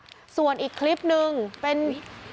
เป็นพระรูปนี้เหมือนเคี้ยวเหมือนกำลังทำปากขมิบท่องกระถาอะไรสักอย่าง